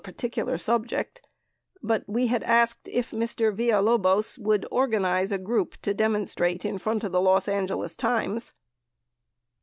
404 ticular subject, but we had asked if Mr. Villalobos would organize a group to demonstrate in front of the Los Angeles Times.